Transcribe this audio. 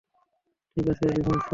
ঠিক আছে, ইভান্স, পাখা গুটাও।